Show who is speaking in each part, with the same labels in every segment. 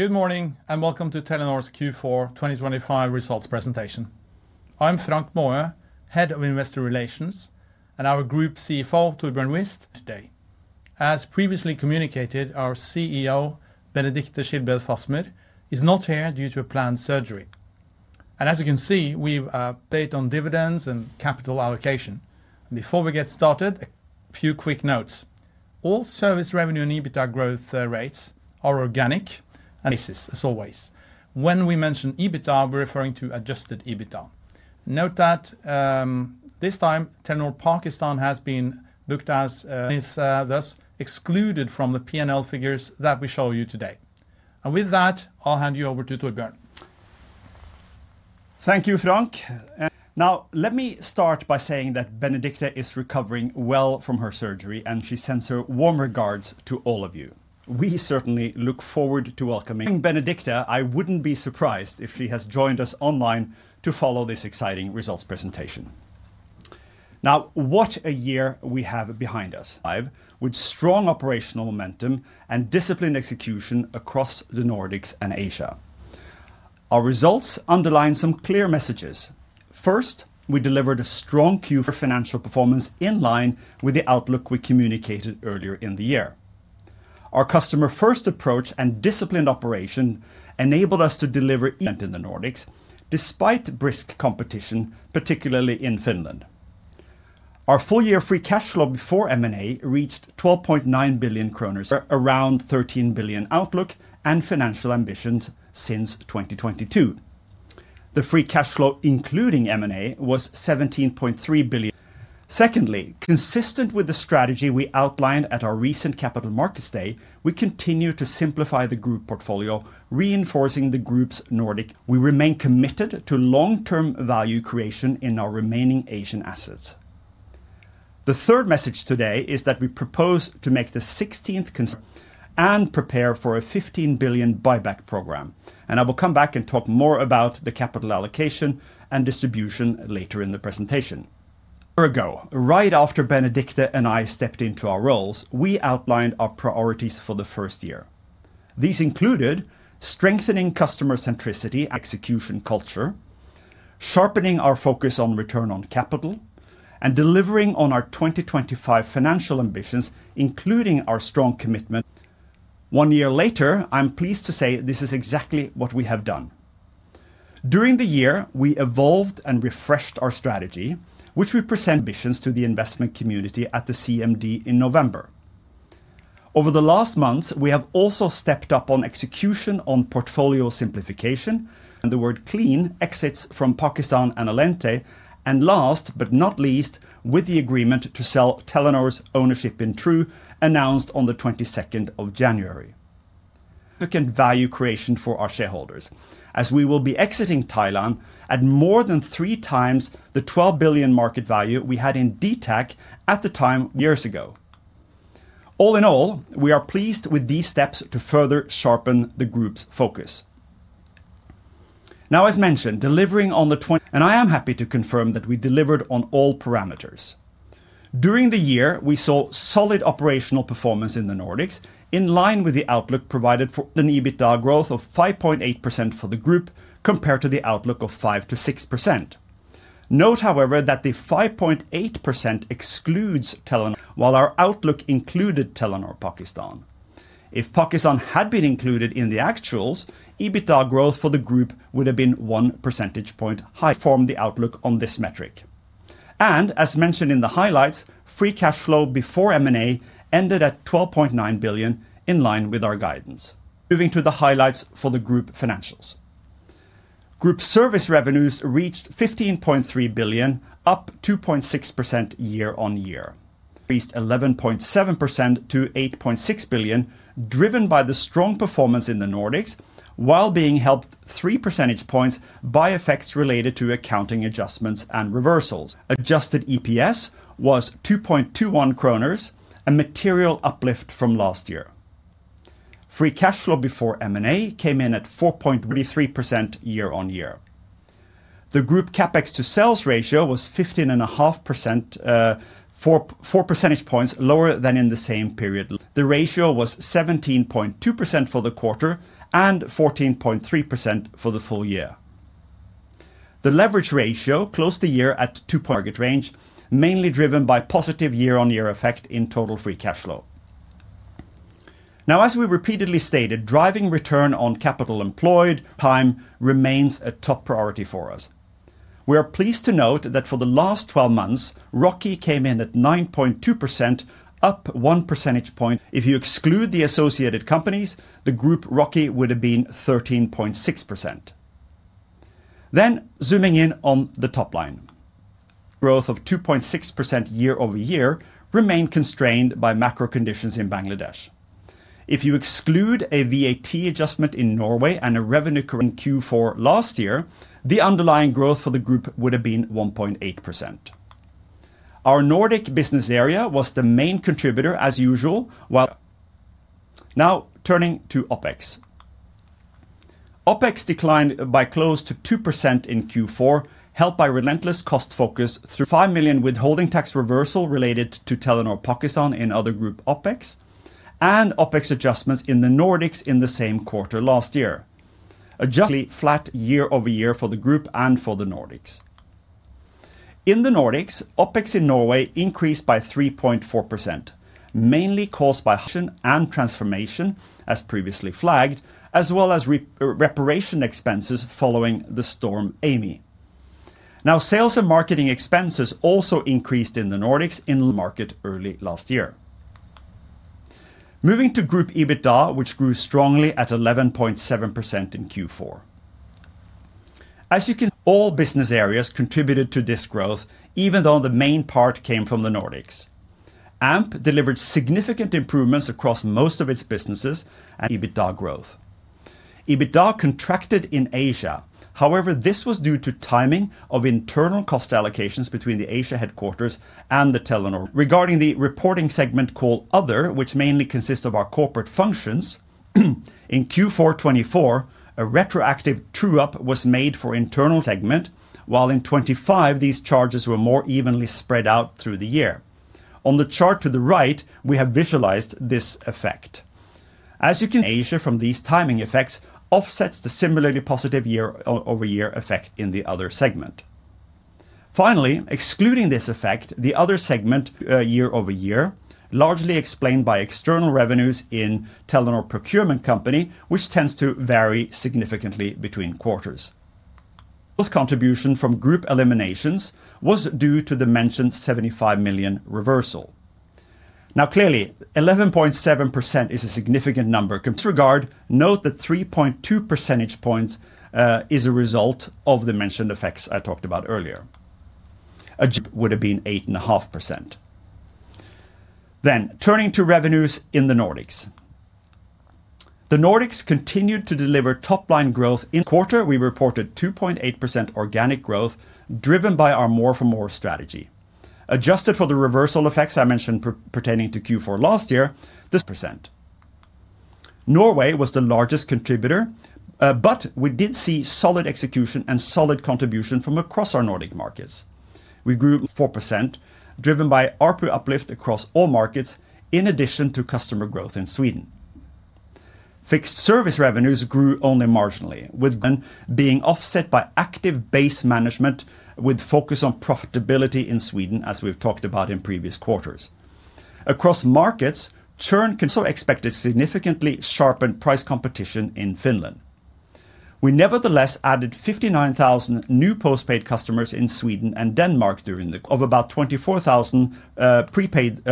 Speaker 1: Good morning and welcome to Telenor's Q4 2025 results presentation. I'm Frank Maaø, head of investor relations, and our group CFO, Torbjørn Wist. As previously communicated, our CEO, Benedicte Schilbred Fasmer, is not here due to a planned surgery. As you can see, we've paid out dividends and capital allocation. Before we get started, a few quick notes: all service revenue and EBITDA growth rates are organic and constant currency basis, as always. When we mention EBITDA, we're referring to adjusted EBITDA. Note that this time Telenor Pakistan has been booked as discontinued operations and is thus excluded from the P&L figures that we show you today. With that, I'll hand you over to Torbjørn.
Speaker 2: Thank you, Frank. Now, let me start by saying that Benedicte is recovering well from her surgery, and she sends her warm regards to all of you. We certainly look forward to welcoming Benedicte. I wouldn't be surprised if she has joined us online to follow this exciting results presentation. Now, what a year we have behind us. With strong operational momentum and disciplined execution across the Nordics and Asia. Our results underline some clear messages. First, we delivered a strong Q4 financial performance in line with the outlook we communicated earlier in the year. Our customer-first approach and disciplined operation enabled us to deliver. In the Nordics, despite brisk competition, particularly in Finland. Our full-year free cash flow before M&A reached 12.9 billion kroner. Around 13 billion outlook and financial ambitions since 2022. The free cash flow, including M&A, was 17.3 billion. Secondly, consistent with the strategy we outlined at our recent Capital Markets Day, we continue to simplify the group portfolio, reinforcing the group's Nordic. We remain committed to long-term value creation in our remaining Asian assets. The third message today is that we propose to make the 16th. And prepare for a 15 billion buyback program. And I will come back and talk more about the capital allocation and distribution later in the presentation. A year ago, right after Benedicte and I stepped into our roles, we outlined our priorities for the first year. These included strengthening customer centricity, execution culture, sharpening our focus on return on capital, and delivering on our 2025 financial ambitions, including our strong commitment. One year later, I'm pleased to say this is exactly what we have done. During the year, we evolved and refreshed our strategy, which we present. Ambitions to the investment community at the CMD in November. Over the last months, we have also stepped up on execution on portfolio simplification. The word "clean" exits from Pakistan and Allente, and last but not least, with the agreement to sell Telenor's ownership in True, announced on the 22nd of January. Second value creation for our shareholders, as we will be exiting Thailand at more than three times the 12 billion market value we had in Dtac at the time. Years ago. All in all, we are pleased with these steps to further sharpen the group's focus. Now, as mentioned, delivering on the. I am happy to confirm that we delivered on all parameters. During the year, we saw solid operational performance in the Nordics, in line with the outlook provided for. An EBITDA growth of 5.8% for the group compared to the outlook of 5%-6%. Note, however, that the 5.8% excludes Telenor. While our outlook included Telenor Pakistan. If Pakistan had been included in the actuals, EBITDA growth for the group would have been one percentage point higher. Informed the outlook on this metric. As mentioned in the highlights, free cash flow before M&A ended at 12.9 billion, in line with our guidance. Moving to the highlights for the group financials. Group service revenues reached 15.3 billion, up 2.6% year-on-year. Raised 11.7% to 8.6 billion, driven by the strong performance in the Nordics, while being helped three percentage points by effects related to accounting adjustments and reversals. Adjusted EPS was 2.21 kroner, a material uplift from last year. Free cash flow before M&A came in at 4.33% year-on-year. The group CapEx to sales ratio was 15.5%, four percentage points lower than in the same period. The ratio was 17.2% for the quarter and 14.3% for the full year. The leverage ratio closed the year at target range, mainly driven by positive year-on-year effect in total free cash flow. Now, as we repeatedly stated, driving return on capital employed time remains a top priority for us. We are pleased to note that for the last 12 months, ROCE came in at 9.2%, up one percentage point. If you exclude the associated companies, the group ROCE would have been 13.6%. Then, zooming in on the top line. Growth of 2.6% year-over-year remained constrained by macro conditions in Bangladesh. If you exclude a VAT adjustment in Norway and a revenue Q4 last year, the underlying growth for the group would have been 1.8%. Our Nordic business area was the main contributor, as usual, while. Now, turning to OpEx. OpEx declined by close to 2% in Q4, helped by relentless cost focus through. Million withholding tax reversal related to Telenor Pakistan in other group OpEx, and OpEx adjustments in the Nordics in the same quarter last year. Adjusted. Flat year-over-year for the group and for the Nordics. In the Nordics, OpEx in Norway increased by 3.4%, mainly caused by. And transformation, as previously flagged, as well as reparation expenses following the storm Amy. Now, sales and marketing expenses also increased in the Nordics in. Market early last year. Moving to group EBITDA, which grew strongly at 11.7% in Q4. As you. All business areas contributed to this growth, even though the main part came from the Nordics. Amp delivered significant improvements across most of its businesses and. EBITDA growth. EBITDA contracted in Asia. However, this was due to timing of internal cost allocations between the Asia headquarters and the Telenor. Regarding the reporting segment called Other, which mainly consists of our corporate functions, in Q4 2024, a retroactive true-up was made for internal segment, while in 2025, these charges were more evenly spread out through the year. On the chart to the right, we have visualized this effect. As you Asia from these timing effects offsets the similarly positive year-over-year effect in the other segment. Finally, excluding this effect, the other segment year-over-year, largely explained by external revenues in Telenor Procurement Company, which tends to vary significantly between quarters. Contribution from group eliminations was due to the mentioned 75 million reversal. Now, clearly, 11.7% is a significant number. Regard, note that 3.2 percentage points is a result of the mentioned effects I talked about earlier. A would have been 8.5%. Turning to revenues in the Nordics. The Nordics continued to deliver top-line growth. Quarter, we reported 2.8% organic growth driven by our more-for-more strategy. Adjusted for the reversal effects I mentioned pertaining to Q4 last year, the percent. Norway was the largest contributor, but we did see solid execution and solid contribution from across our Nordic markets. We grew 4%, driven by ARPU uplift across all markets, in addition to customer growth in Sweden. Fixed service revenues grew only marginally, with being offset by active base management with focus on profitability in Sweden, as we've talked about in previous quarters. Across markets, churn. Expected significantly sharpened price competition in Finland. We nevertheless added 59,000 new postpaid customers in Sweden and Denmark during the period, while about 24,000 prepaid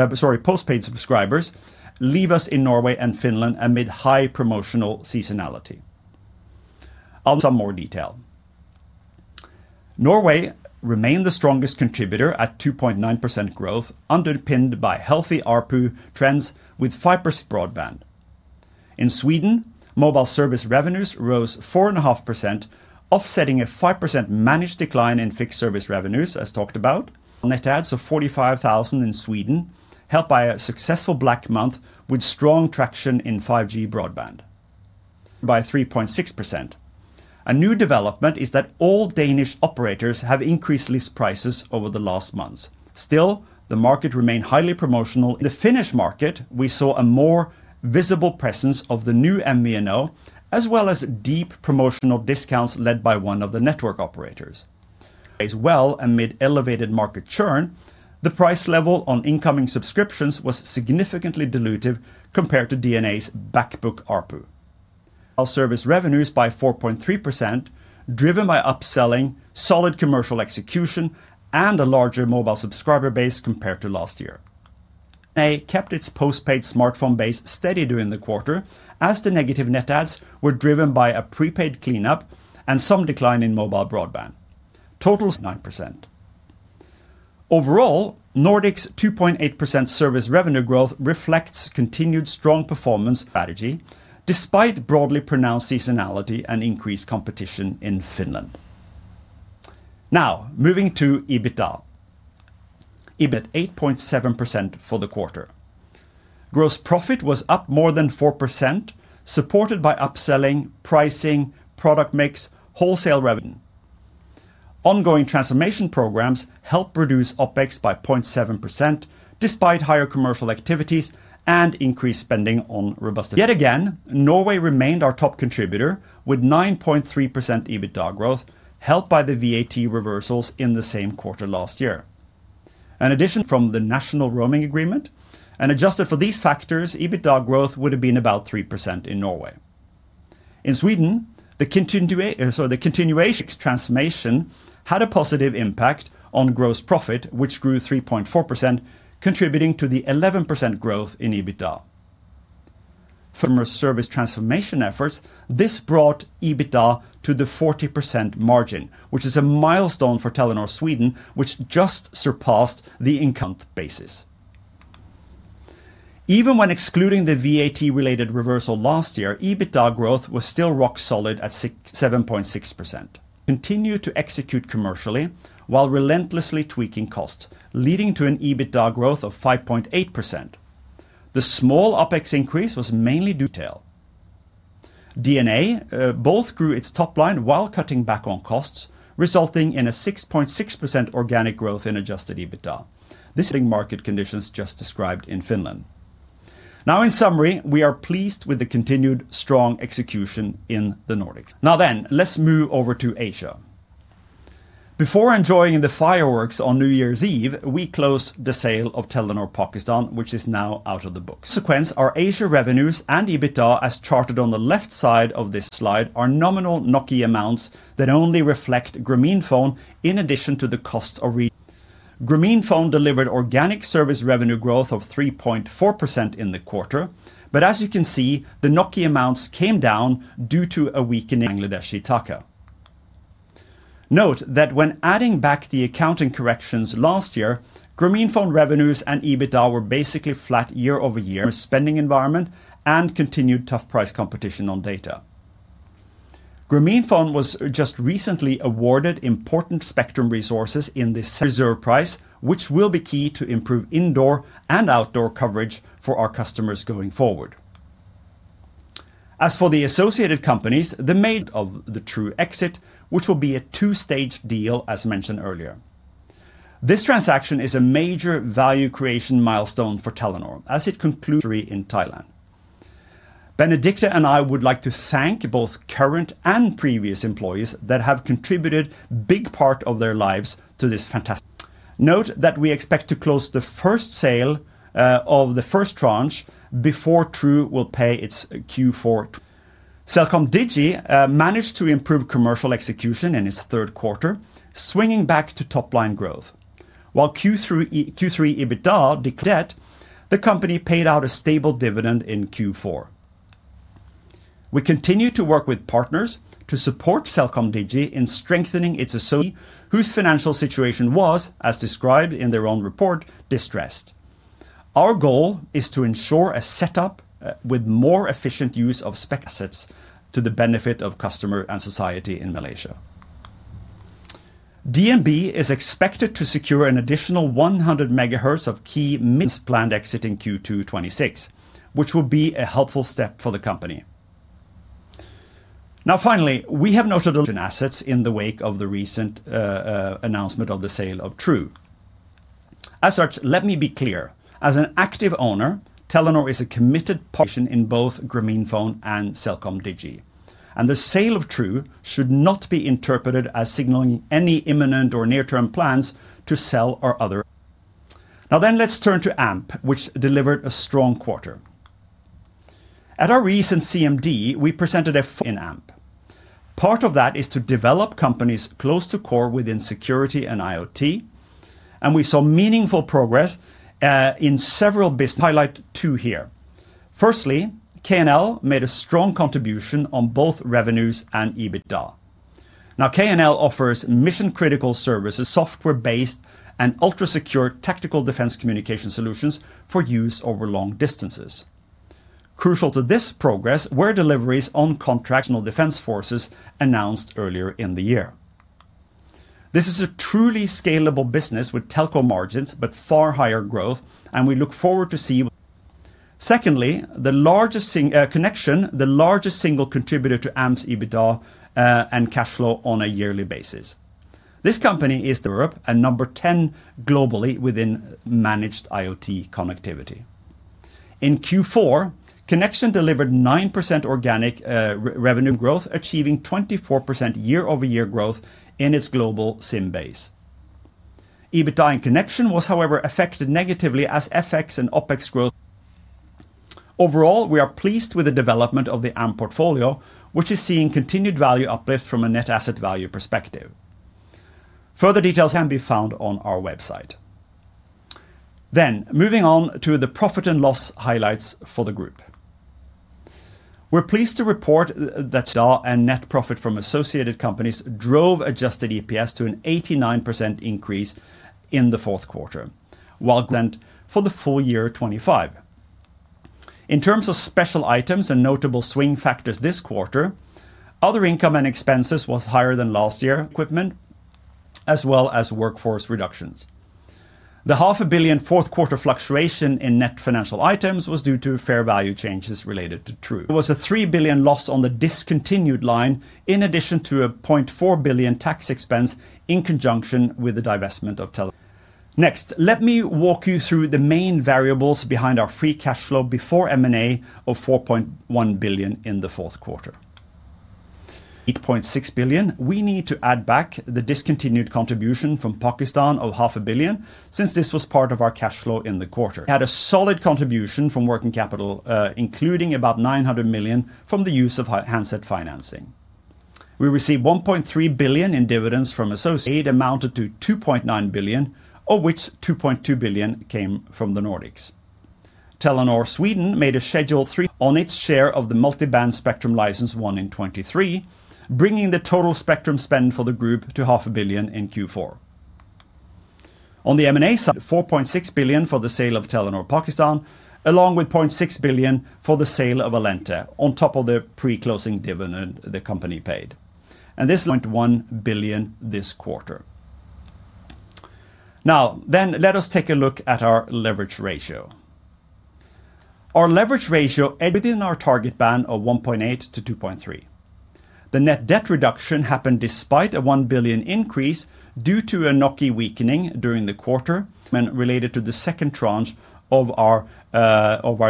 Speaker 2: postpaid subscribers leave us in Norway and Finland amid high promotional seasonality. On. Some more detail. Norway remained the strongest contributor at 2.9% growth, underpinned by healthy ARPU trends with 5%. Broadband. In Sweden, mobile service revenues rose 4.5%, offsetting a 5% managed decline in fixed service revenues, as talked about. Net adds of 45,000 in Sweden, helped by a successful Black Month with strong traction in 5G broadband. By 3.6%. A new development is that all Danish operators have increased list prices over the last months. Still, the market remained highly promotional. The Finnish market, we saw a more visible presence of the new MVNO, as well as deep promotional discounts led by one of the network operators. Well amid elevated market churn, the price level on incoming subscriptions was significantly dilutive compared to DNA's backbook ARPU. Service revenues by 4.3%, driven by upselling, solid commercial execution, and a larger mobile subscriber base compared to last year. DNA kept its postpaid smartphone base steady during the quarter, as the negative net adds were driven by a prepaid cleanup and some decline in mobile broadband. Total 9%. Overall, Nordics' 2.8% service revenue growth reflects continued strong performance strategy, despite broadly pronounced seasonality and increased competition in Finland. Now, moving to EBITDA. EBITDA at 8.7% for the quarter. Gross profit was up more than 4%, supported by upselling, pricing, product mix, wholesale Finland. Ongoing transformation programs helped reduce OpEx by 0.7%, despite higher commercial activities and increased spending on robust. Yet again, Norway remained our top contributor, with 9.3% EBITDA growth, helped by the VAT reversals in the same quarter last year. In addition from the National Roaming Agreement, and adjusted for these factors, EBITDA growth would have been about 3% in Norway. In Sweden, the continuation transformation had a positive impact on gross profit, which grew 3.4%, contributing to the 11% growth in EBITDA. For service transformation efforts, this brought EBITDA to the 40% margin, which is a milestone for Telenor Sweden, which just surpassed the basis. Even when excluding the VAT-related reversal last year, EBITDA growth was still rock solid at 7.6%. Continued to execute commercially while relentlessly tweaking costs, leading to an EBITDA growth of 5.8%. The small OpEx increase was mainly retail. DNA both grew its top line while cutting back on costs, resulting in a 6.6% organic growth in adjusted EBITDA. This market conditions just described in Finland. Now, in summary, we are pleased with the continued strong execution in the Nordics. Now then, let's move over to Asia. Before enjoying the fireworks on New Year's Eve, we closed the sale of Telenor Pakistan, which is now out of the books. Consequence, our Asia revenues and EBITDA, as charted on the left side of this slide, are nominal NOK amounts that only reflect Grameenphone in addition to the cost of. Grameenphone delivered organic service revenue growth of 3.4% in the quarter, but as you can see, the NOK amounts came down due to a weakening Bangladeshi Taka. Note that when adding back the accounting corrections last year, Grameenphone revenues and EBITDA were basically flat year-over-year. Spending environment and continued tough price competition on data. Grameenphone was just recently awarded important spectrum resources in this reserve price, which will be key to improve indoor and outdoor coverage for our customers going forward. As for the associated companies, the major. Of the True exit, which will be a two-stage deal, as mentioned earlier. This transaction is a major value creation milestone for Telenor, as it concluded in Thailand. Benedicte and I would like to thank both current and previous employees that have contributed a big part of their lives to this fantastic. Note that we expect to close the first sale of the first tranche before True will pay its Q4. CelcomDigi managed to improve commercial execution in its third quarter, swinging back to top-line growth. While Q3 EBITDA. Debt, the company paid out a stable dividend in Q4. We continue to work with partners to support CelcomDigi in strengthening its. Whose financial situation was, as described in their own report, distressed. Our goal is to ensure a setup with more efficient use of spectrum assets to the benefit of customer and society in Malaysia. DNA is expected to secure an additional 100 MHz of spectrum. Planned exit in Q2 2026, which will be a helpful step for the company. Now, finally, we have noted assets in the wake of the recent announcement of the sale of True. As such, let me be clear. As an active owner, Telenor is committed in both Grameenphone and CelcomDigi. And the sale of True should not be interpreted as signaling any imminent or near-term plans to sell our other. Now then, let's turn to Amp, which delivered a strong quarter. At our recent CMD, we presented a in Amp. Part of that is to develop companies close to core within security and IoT. And we saw meaningful progress in several businesses. Highlight two here. Firstly, KNL made a strong contribution on both revenues and EBITDA. Now, KNL offers mission-critical services, software-based, and ultra-secure tactical defense communication solutions for use over long distances. Crucial to this progress were deliveries on contract. Defense forces announced earlier in the year. This is a truly scalable business with telco margins, but far higher growth, and we look forward to see. Secondly, the largest Connexion, the largest single contributor to Amp's EBITDA and cash flow on a yearly basis. This company is Europe and number 10 globally within managed IoT connectivity. In Q4, Connexion delivered 9% organic revenue growth, achieving 24% year-over-year growth in its global SIM base. EBITDA and Connexion was, however, affected negatively as FX and OpEx growth. Overall, we are pleased with the development of the Amp portfolio, which is seeing continued value uplift from a net asset value perspective. Further details can be found on our website. Then, moving on to the profit and loss highlights for the group. We're pleased to report that and net profit from associated companies drove adjusted EPS to an 89% increase in the fourth quarter, while for the full year 2025. In terms of special items and notable swing factors this quarter, other income and expenses were higher than last year. Equipment, as well as workforce reductions. The 0.5 billion fourth quarter fluctuation in net financial items was due to fair value changes related to True, was a 3 billion loss on the discontinued line, in addition to a 0.4 billion tax expense in conjunction with the divestment of. Next, let me walk you through the main variables behind our free cash flow before M&A of 4.1 billion in the fourth quarter. 8.6 billion, we need to add back the discontinued contribution from Pakistan of 0.5 billion, since this was part of our cash flow in the quarter. Had a solid contribution from working capital, including about 900 million from the use of handset financing. We received 1.3 billion in dividends from associated. Amounted to 2.9 billion, of which 2.2 billion came from the Nordics. Telenor Sweden made a scheduled. On its share of the multiband spectrum license won in 2023, bringing the total spectrum spend for the group to 0.5 billion in Q4. On the M&A. 4.6 billion for the sale of Telenor Pakistan, along with 0.6 billion for the sale of Allente, on top of the pre-closing dividend the company paid. And this. 1 billion this quarter. Now, then, let us take a look at our leverage ratio. Our leverage ratio. Within our target band of 1.8-2.3. The net debt reduction happened despite a 1 billion increase due to a NOK weakening during the quarter. Related to the second tranche of our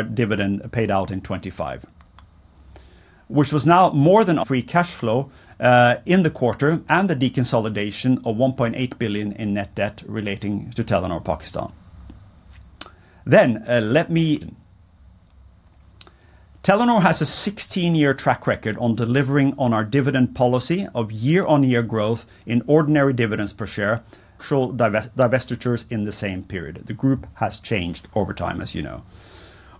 Speaker 2: dividend paid out in 2025, which was now more than. Free cash flow in the quarter and the deconsolidation of 1.8 billion in net debt relating to Telenor Pakistan. Telenor has a 16-year track record on delivering on our dividend policy of year-on-year growth in ordinary dividends per share. Divestitures in the same period. The group has changed over time, as you know.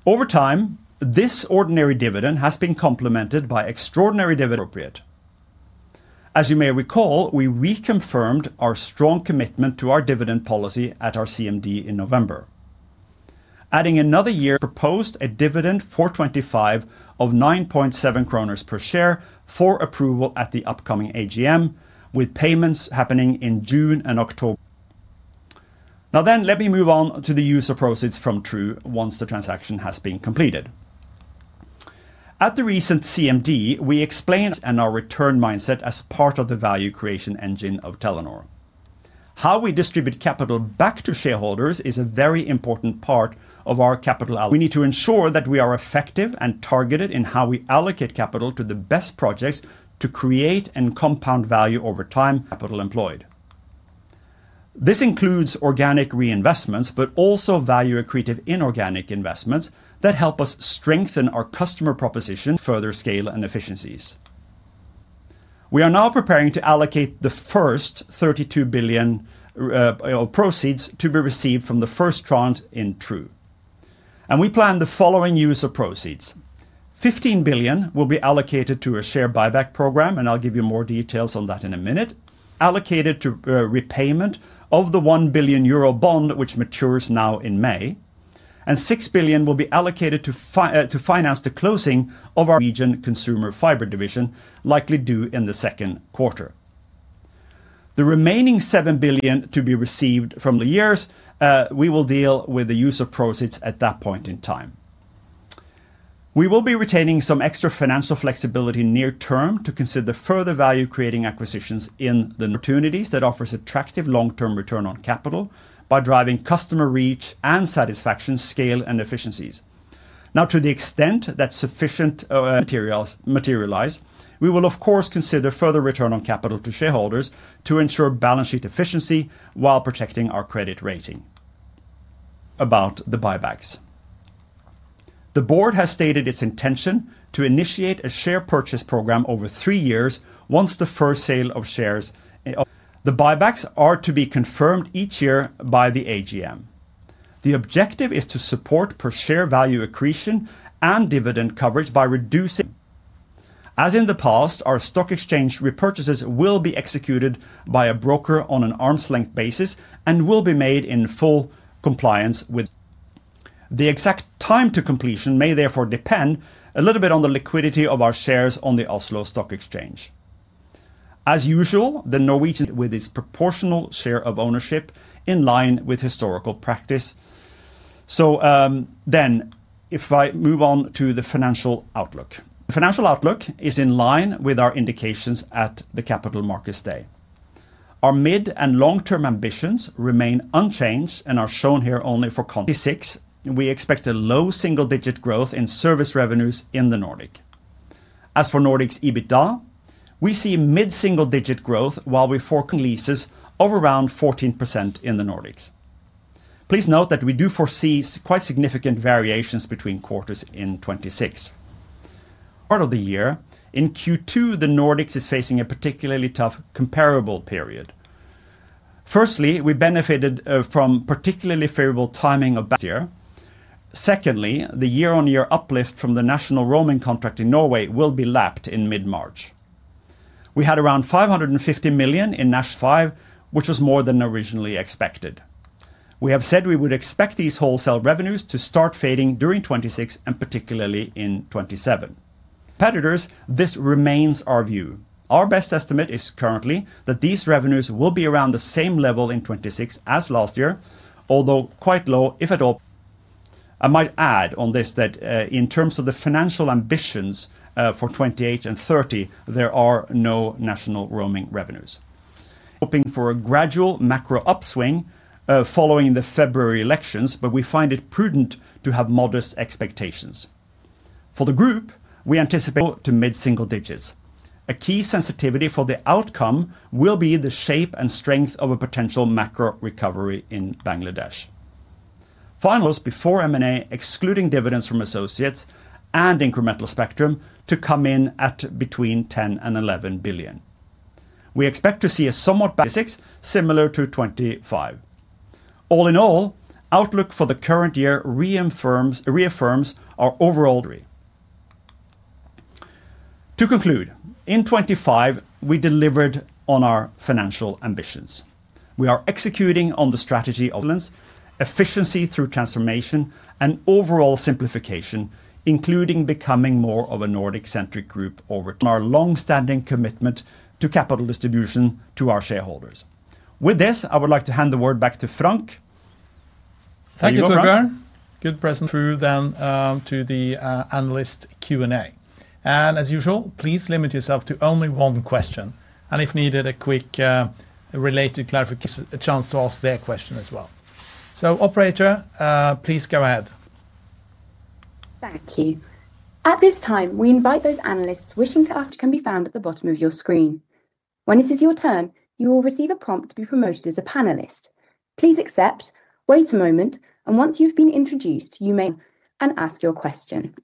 Speaker 2: Over time, this ordinary dividend has been complemented by extraordinary. Appropriate. As you may recall, we reconfirmed our strong commitment to our dividend policy at our CMD in November. Adding another year. Proposed a dividend of 9.7 kroner per share for approval at the upcoming AGM, with payments happening in June and October. Now then, let me move on to the use of proceeds from True once the transaction has been completed. At the recent CMD, we explain. Our return mindset as part of the value creation engine of Telenor. How we distribute capital back to shareholders is a very important part of our capital. Need to ensure that we are effective and targeted in how we allocate capital to the best projects to create and compound value over time. Capital employed. This includes organic reinvestments, but also value accretive inorganic investments that help us strengthen our customer proposition. Further scale and efficiencies. We are now preparing to allocate the first 32 billion proceeds to be received from the first tranche in True. We plan the following use of proceeds. 15 billion will be allocated to a share buyback program, and I'll give you more details on that in a minute. Allocated to repayment of the 1 billion euro bond, which matures now in May. 6 billion will be allocated to finance the closing of our regional consumer fiber division, likely due in the second quarter. The remaining 7 billion to be received from the sale, we will deal with the use of proceeds at that point in time. We will be retaining some extra financial flexibility near-term to consider further value creating acquisitions in the opportunities that offers attractive long-term return on capital by driving customer reach and satisfaction, scale, and efficiencies. Now, to the extent that sufficient materialize, we will, of course, consider further return on capital to shareholders to ensure balance sheet efficiency while protecting our credit rating. About the buybacks. The board has stated its intention to initiate a share purchase program over three years once the first sale of shares. The buybacks are to be confirmed each year by the AGM. The objective is to support per share value accretion and dividend coverage by reducing. As in the past, our stock exchange repurchases will be executed by a broker on an arm's length basis and will be made in full compliance with. The exact time to completion may therefore depend a little bit on the liquidity of our shares on the Oslo Stock Exchange. As usual, the Norwegian. With its proportional share of ownership in line with historical practice. So then, if I move on to the financial outlook. The financial outlook is in line with our indications at the Capital Markets Day. Our mid and long-term ambitions remain unchanged and are shown here only for. 2026, we expect a low single-digit growth in service revenues in the Nordics. As for Nordics' EBITDA, we see mid-single-digit growth while we forecast leases of around 14% in the Nordics. Please note that we do foresee quite significant variations between quarters in 2026. Part of the year, in Q2, the Nordics is facing a particularly tough comparable period. Firstly, we benefited from particularly favorable timing of the year. Secondly, the year-on-year uplift from the national roaming contract in Norway will be lapped in mid-March. We had around 550 million in 2025, which was more than originally expected. We have said we would expect these wholesale revenues to start fading during 2026 and particularly in 2027. Competitors, this remains our view. Our best estimate is currently that these revenues will be around the same level in 2026 as last year, although quite low, if at all. I might add on this that in terms of the financial ambitions for 2028 and 2030, there are no national roaming revenues. Hoping for a gradual macro upswing following the February elections, but we find it prudent to have modest expectations. For the group, we anticipate to mid-single digits. A key sensitivity for the outcome will be the shape and strength of a potential macro recovery in Bangladesh. FCF before M&A, excluding dividends from associates and incremental spectrum, to come in at between 10 billion and 11 billion. We expect to see a somewhat 2026, similar to 2025. All in all, outlook for the current year reaffirms our overall. To conclude, in 2025, we delivered on our financial ambitions. We are executing on the strategy of efficiency through transformation and overall simplification, including becoming more of a Nordic-centric group over. Our longstanding commitment to capital distribution to our shareholders. With this, I would like to hand the word back to Frank.
Speaker 1: Thank you, Torbjørn. Good presentation. Now then to the analyst Q&A. And as usual, please limit yourself to only one question. And if needed, a quick related clarification. A chance to ask their question as well. So, operator, please go ahead.
Speaker 3: Thank you. At this time, we invite those analysts wishing to ask. Can be found at the bottom of your screen. When it is your turn, you will receive a prompt to be promoted as a panelist. Please accept, wait a moment, and once you've been introduced, you may. And ask your question.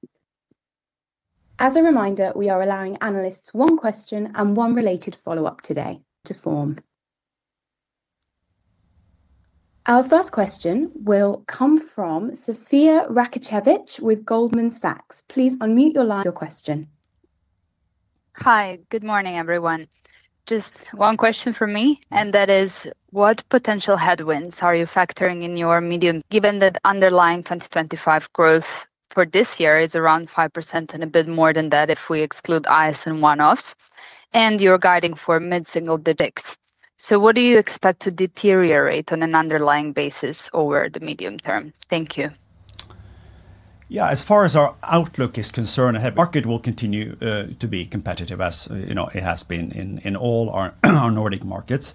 Speaker 3: As a reminder, we are allowing analysts one question and one related follow-up today. To form. Our first question will come from Sofija Rakicevic with Goldman Sachs. Please unmute your question.
Speaker 4: Hi, good morning, everyone. Just one question for me, and that is, what potential headwinds are you factoring in your medium term? Given that underlying 2025 growth for this year is around 5% and a bit more than that if we exclude Asia and one-offs, and you're guiding for mid-single-digit. So what do you expect to deteriorate on an underlying basis over the medium term? Thank you.
Speaker 2: Yeah, as far as our outlook is concerned, the market will continue to be competitive as it has been in all our Nordic markets.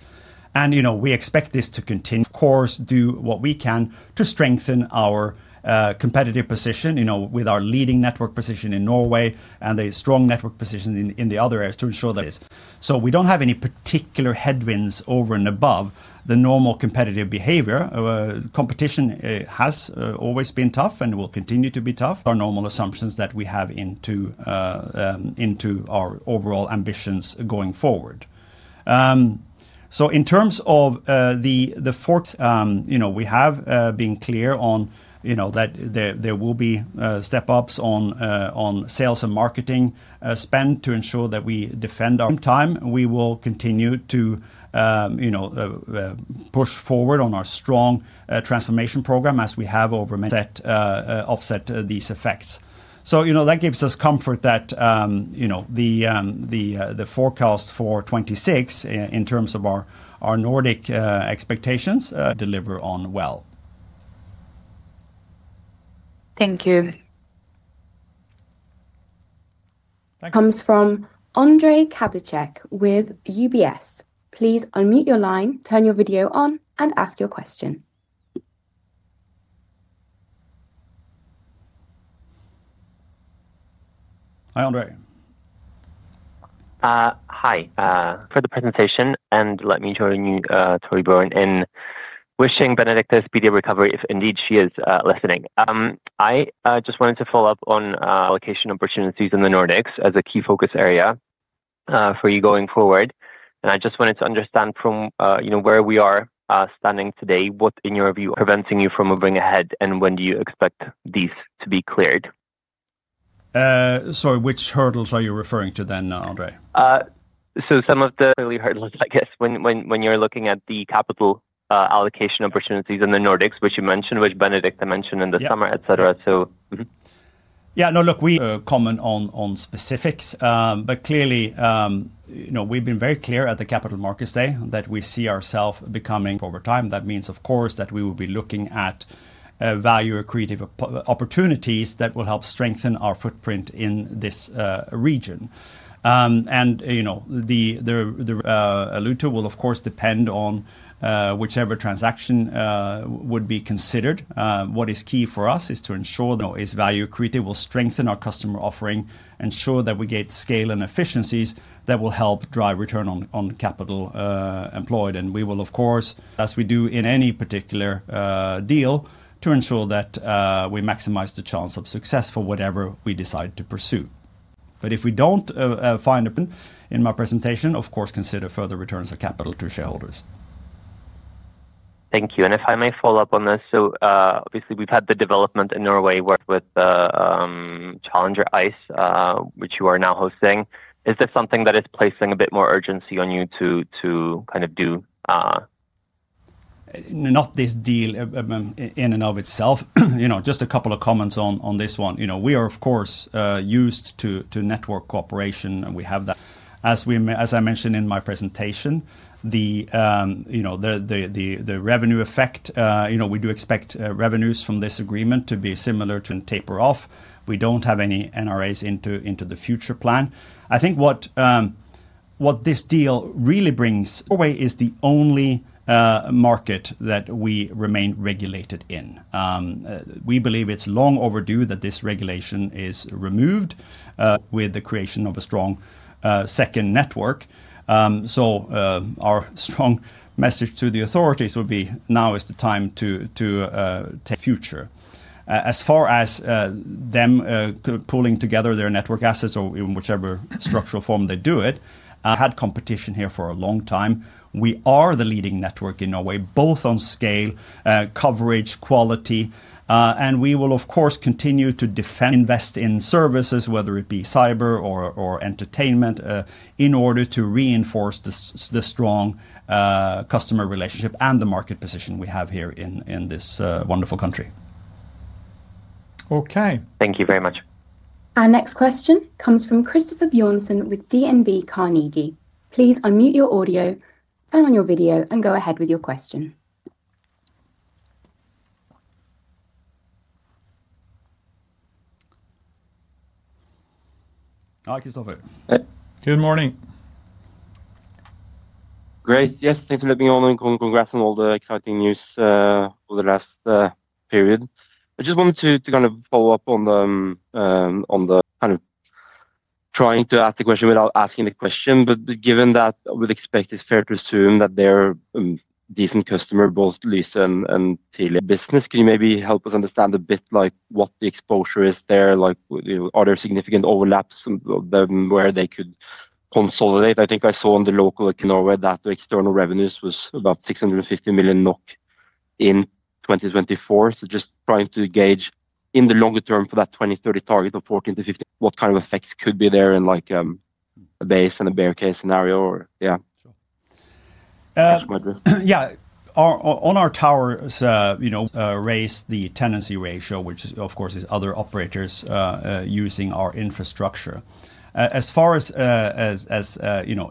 Speaker 2: And we expect this to continue. Of course, do what we can to strengthen our competitive position with our leading network position in Norway and the strong network position in the other areas to ensure that is. So we don't have any particular headwinds over and above the normal competitive behavior. Competition has always been tough and will continue to be tough. Our normal assumptions that we have into our overall ambitions going forward. So in terms of the four. We have been clear on that there will be step-ups on sales and marketing spend to ensure that we defend. Time, we will continue to push forward on our strong transformation program as we have over. Offset these effects. So that gives us comfort that the forecast for 2026 in terms of our Nordic expectations. Deliver on well.
Speaker 4: Thank you.
Speaker 3: Thank you. [Question] comes from Ondrej Cabejsek with UBS. Please unmute your line, turn your video on, and ask your question.
Speaker 2: Hi, Ondrej.
Speaker 5: Hi. For the presentation, and let me join you, Torbjørn, in wishing Benedicte speedy recovery if indeed she is listening. I just wanted to follow up on. Allocation opportunities in the Nordics as a key focus area for you going forward. I just wanted to understand from where we are standing today, what in your view preventing you from moving ahead, and when do you expect these to be cleared?
Speaker 2: Sorry, which hurdles are you referring to then, Ondrej?
Speaker 5: So some of the early hurdles, I guess, when you're looking at the capital allocation opportunities in the Nordics, which you mentioned, which Benedicte mentioned in the summer, etc.
Speaker 2: Yeah, no, look. Comment on specifics. But clearly, we've been very clear at the Capital Markets Day that we see ourselves becoming over time. That means, of course, that we will be looking at value accretive opportunities that will help strengthen our footprint in this region. And the timeline will, of course, depend on whichever transaction would be considered. What is key for us is to ensure. Is value accretive, will strengthen our customer offering, ensure that we get scale and efficiencies that will help drive return on capital employed. And we will, of course. As we do in any particular deal, to ensure that we maximize the chance of success for whatever we decide to pursue. But if we don't find. In my presentation, of course, consider further returns of capital to shareholders.
Speaker 5: Thank you. And if I may follow up on this, so obviously, we've had the development in Norway with challenger Ice, which you are now hosting. Is this something that is placing a bit more urgency on you to kind of do.
Speaker 2: Not this deal in and of itself. Just a couple of comments on this one. We are, of course, used to network cooperation, and we have. As I mentioned in my presentation, the revenue effect, we do expect revenues from this agreement to be similar to taper off. We don't have any NRAs into the future plan. I think what this deal really brings. Norway is the only market that we remain regulated in. We believe it's long overdue that this regulation is removed with the creation of a strong second network. So our strong message to the authorities will be now is the time to take future. As far as them pulling together their network assets or in whichever structural form they do it. Had competition here for a long time. We are the leading network in Norway, both on scale, coverage, quality. We will, of course, continue to defend. Invest in services, whether it be cyber or entertainment, in order to reinforce the strong customer relationship and the market position we have here in this wonderful country.
Speaker 5: Okay. Thank you very much.
Speaker 3: Our next question comes from Christoffer Bjørnsen with DNB Carnegie. Please unmute your audio, turn on your video, and go ahead with your question.
Speaker 2: Hi, Christoffer. Good morning.
Speaker 6: Great. Yes, thanks for letting me on and congrats on all the exciting news over the last period. I just wanted to kind of follow up on the. Kind of trying to ask the question without asking the question, but given that we'd expect, it's fair to assume that they're a decent customer, both Lyse and Tele business. Can you maybe help us understand a bit what the exposure is there? Are there significant overlaps where they could consolidate? I think I saw on the local. Norway that the external revenues was about 650 million NOK in 2024. So just trying to gauge in the longer term for that 2030 target of 14-15. What kind of effects could be there in a base and a bear case scenario, or yeah.
Speaker 2: Sure. Yeah. On our towers. Raise the tenancy ratio, which, of course, is other operators using our infrastructure. As far as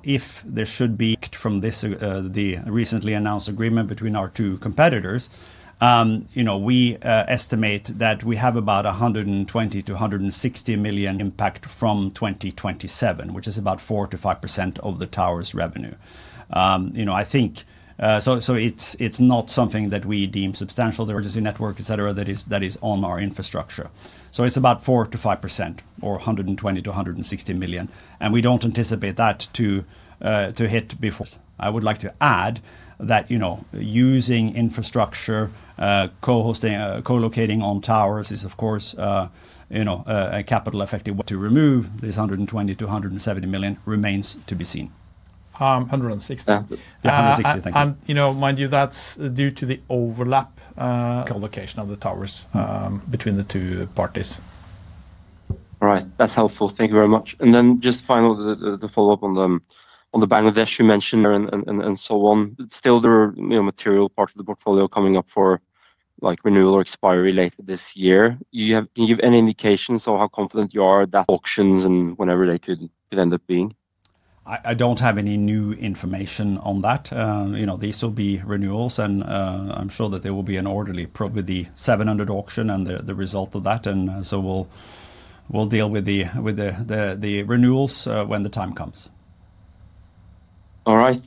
Speaker 2: if there should be. From the recently announced agreement between our two competitors, we estimate that we have about 120 million-160 million. Impact from 2027, which is about 4%-5% of the tower's revenue. I think so it's not something that we deem substantial. Emergency network, etc., that is on our infrastructure. So it's about 4%-5% or 120 million-160 million. And we don't anticipate that to hit before. I would like to add that using infrastructure, co-hosting, co-locating on towers is, of course, a capital-effective. To remove this 120 million-170 million remains to be seen. 160 million.
Speaker 6: Yeah, 160 million, thank you.
Speaker 1: And mind you, that's due to the overlap. Collocation of the towers between the two parties.
Speaker 6: All right. That's helpful. Thank you very much. And then just final, the follow-up on the Bangladesh, you mentioned. And so on. Still, there are material parts of the portfolio coming up for renewal or expiry later this year. Can you give any indications on how confident you are that. Auctions and whenever they could end up being?
Speaker 2: I don't have any new information on that. These will be renewals, and I'm sure that there will be an orderly with the 700 auction and the result of that. And so we'll deal with the renewals when the time comes.
Speaker 6: All right.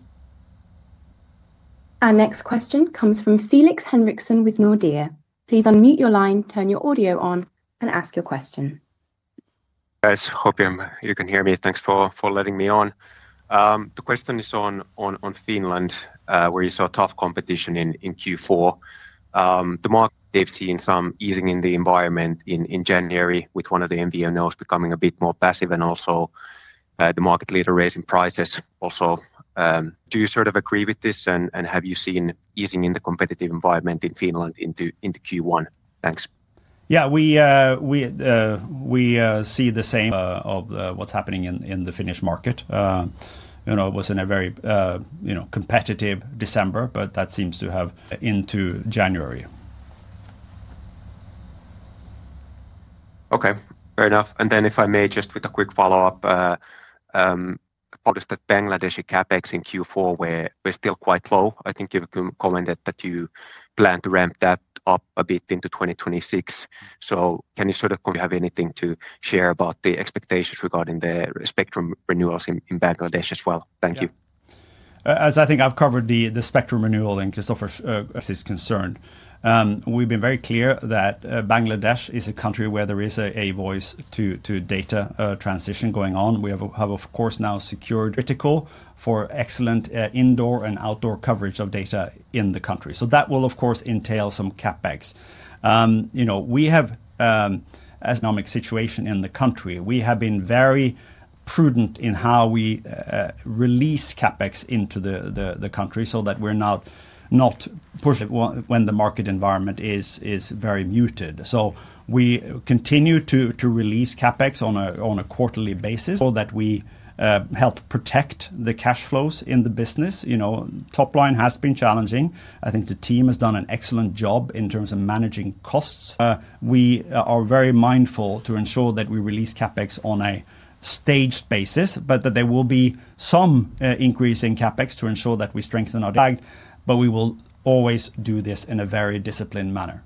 Speaker 3: Our next question comes from Felix Henriksson with Nordea. Please unmute your line, turn your audio on, and ask your question.
Speaker 7: Guys, hope you can hear me. Thanks for letting me on. The question is on Finland, where you saw tough competition in Q4. The market they've seen some easing in the environment in January with one of the MVNOs becoming a bit more passive and also the market leader raising prices. Also, do you sort of agree with this, and have you seen easing in the competitive environment in Finland into Q1? Thanks.
Speaker 2: Yeah, we see the same of what's happening in the Finnish market. It was in a very competitive December, but that seems to have into January.
Speaker 7: Okay. Fair enough. And then if I may, just with a quick follow-up, published that Bangladeshi CapEx in Q4, we're still quite low. I think you commented that you plan to ramp that up a bit into 2026. So can you sort of have anything to share about the expectations regarding the spectrum renewals in Bangladesh as well? Thank you.
Speaker 2: As I think I've covered the spectrum renewal and Christoffer is concerned. We've been very clear that Bangladesh is a country where there is a voice to data transition going on. We have, of course, now secured critical for excellent indoor and outdoor coverage of data in the country. So that will, of course, entail some CapEx. We have, as situation in the country. We have been very prudent in how we release CapEx into the country so that we're not pushed when the market environment is very muted. So we continue to release CapEx on a quarterly basis. That we help protect the cash flows in the business. Top line has been challenging. I think the team has done an excellent job in terms of managing costs. We are very mindful to ensure that we release CapEx on a staged basis, but that there will be some increase in CapEx to ensure that we strengthen. Tagged, but we will always do this in a very disciplined manner.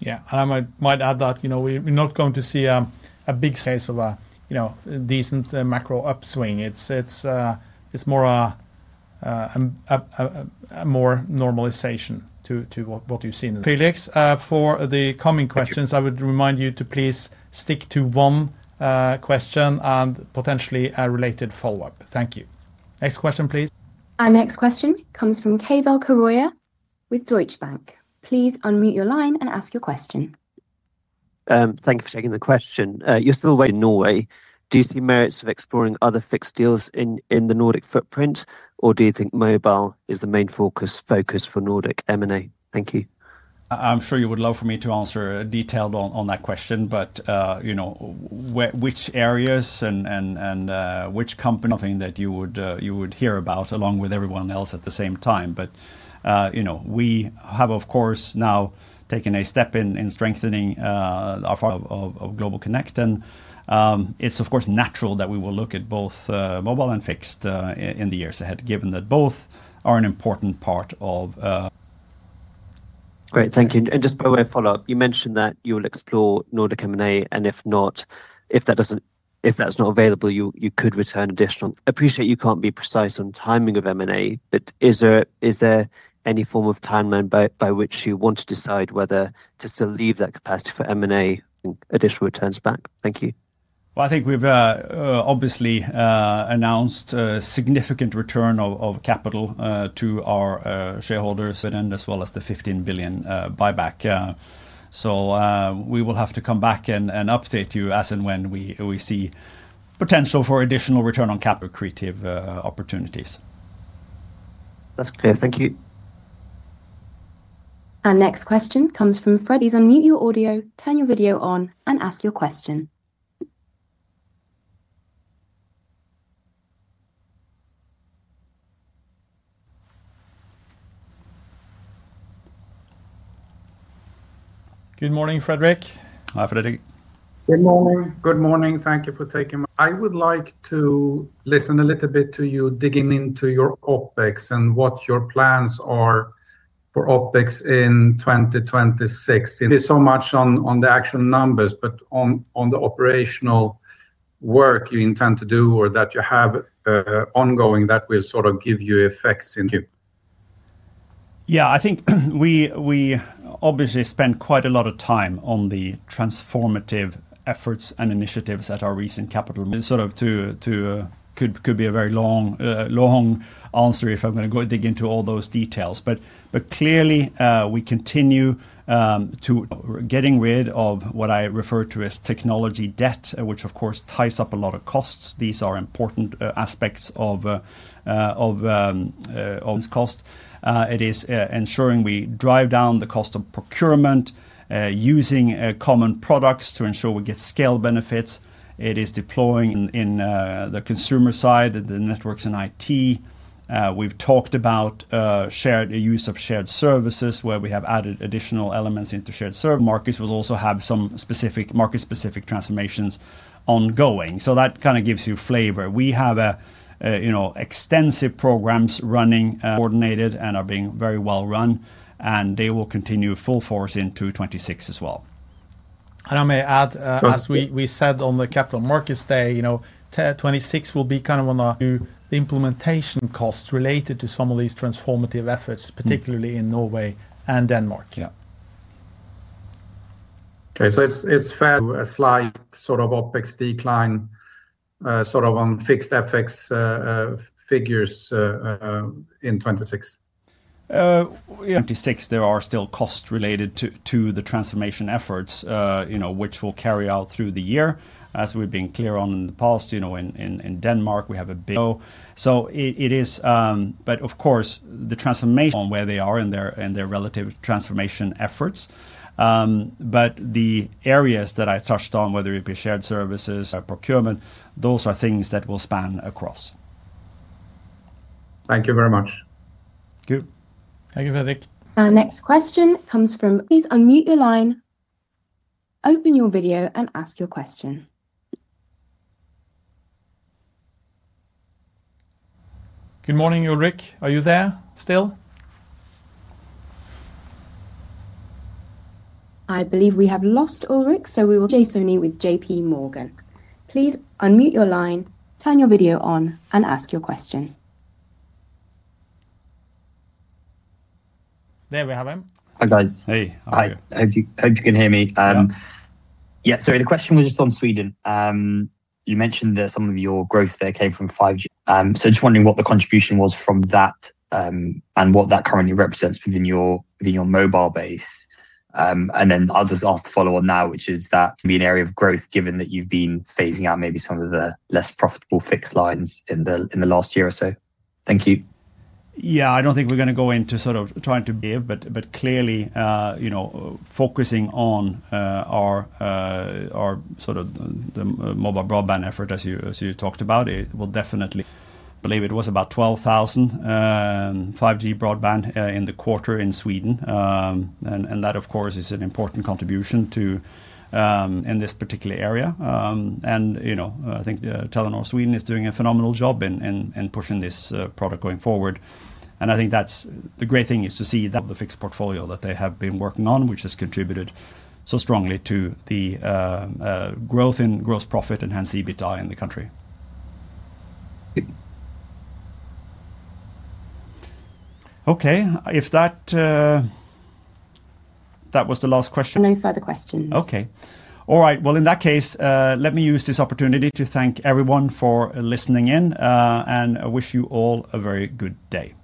Speaker 7: Yeah.
Speaker 2: And I might add that we're not going to see a big. Case of a decent macro upswing. It's more a normalization to what you've seen.
Speaker 1: Felix, for the coming questions, I would remind you to please stick to one question and potentially a related follow-up. Thank you. Next question, please.
Speaker 3: Our next question comes from Keval Khiroya with Deutsche Bank. Please unmute your line and ask your question.
Speaker 8: Thank you for taking the question. You're still. In Norway, do you see merits of exploring other fixed deals in the Nordic footprint, or do you think mobile is the main focus for Nordic M&A? Thank you.
Speaker 2: I'm sure you would love for me to answer detailed on that question, but which areas and which company. Something that you would hear about along with everyone else at the same time. But we have, of course, now taken a step in strengthening our. Of GlobalConnect. And it's, of course, natural that we will look at both mobile and fixed in the years ahead, given that both are an important part of.
Speaker 8: Great. Thank you. And just by way of follow-up, you mentioned that you will explore Nordic M&A, and if that's not available, you could return additional. appreciate you can't be precise on timing of M&A, but is there any form of timeline by which you want to decide whether to still leave that capacity for M&A? Additional returns back? Thank you.
Speaker 2: Well, I think we've obviously announced a significant return of capital to our shareholders, as well as the 15 billion buyback. So we will have to come back and update you as and when we see potential for additional return on accretive opportunities.
Speaker 8: That's clear. Thank you.
Speaker 3: Our next question comes from Fred. Please unmute your audio, turn your video on, and ask your question.
Speaker 1: Good morning, Fredrik.
Speaker 2: Hi, Fredrik.
Speaker 9: Good morning. Good morning. Thank you for taking my time. I would like to listen a little bit to you digging into your OpEx and what your plans are for OpEx in 2026. Not so much on the actual numbers, but on the operational work you intend to do or that you have ongoing that will sort of give you effects. Thank you.
Speaker 2: Yeah. I think we obviously spent quite a lot of time on the transformative efforts and initiatives at our recent capital. Sort of could be a very long answer if I'm going to go dig into all those details. But clearly, we continue to. Getting rid of what I refer to as technology debt, which, of course, ties up a lot of costs. These are important aspects of cost. It is ensuring we drive down the cost of procurement, using common products to ensure we get scale benefits. It is deploying. In the consumer side, the networks and IT. We've talked about shared use of shared services where we have added additional elements into shared. Markets will also have some market-specific transformations ongoing. So that kind of gives you flavor. We have extensive programs running. Coordinated and are being very well run, and they will continue full force into 2026 as well.
Speaker 1: And I may add, as we said on the Capital Markets Day, 2026 will be kind of on. To the implementation costs related to some of these transformative efforts, particularly in Norway and Denmark.
Speaker 9: Yeah. Okay. So it's a slight sort of OpEx decline sort of on fixed FX figures in 2026?
Speaker 2: Yeah. 2026, there are still costs related to the transformation efforts, which will carry out through the year, as we've been clear on in the past. In Denmark, we have a. So it is but, of course, the transformation. On where they are in their relative transformation efforts. But the areas that I touched on, whether it be shared services. Procurement, those are things that will span across.
Speaker 9: Thank you very much.
Speaker 2: Thank you.
Speaker 1: Thank you, Fredrik.
Speaker 3: Our next question comes from. Please unmute your line, open your video, and ask your question.
Speaker 1: Good morning, Ulrik. Are you there still?
Speaker 3: I believe we have lost Ulrik, so we will. Ajay Soni with JPMorgan. Please unmute your line, turn your video on, and ask your question.
Speaker 1: There we have him.
Speaker 10: Hi, guys.
Speaker 1: Hey.
Speaker 10: Hi. Hope you can hear me.
Speaker 1: Yeah.
Speaker 10: Sorry, the question was just on Sweden. You mentioned that some of your growth there came from 5G. So just wondering what the contribution was from that and what that currently represents within your mobile base. And then I'll just ask the follow-up now, which is that. Be an area of growth given that you've been phasing out maybe some of the less profitable fixed lines in the last year or so? Thank you.
Speaker 2: Yeah. I don't think we're going to go into sort of trying to give, but clearly focusing on our sort of the mobile broadband effort, as you talked about, will definitely. I believe it was about 12,000 5G broadband in the quarter in Sweden. And that, of course, is an important contribution to in this particular area. I think Telenor Sweden is doing a phenomenal job in pushing this product going forward. I think the great thing is to see the fixed portfolio that they have been working on, which has contributed so strongly to the growth in gross profit and hence EBITDA in the country.
Speaker 1: Okay. If that was the last question.
Speaker 3: No further questions.
Speaker 1: Okay. All right. Well, in that case, let me use this opportunity to thank everyone for listening in and wish you all a very good day. Thank you.